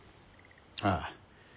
ああ。